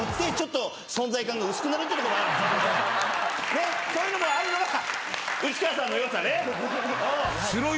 ねっそういうのもあるのが内川さんの良さね。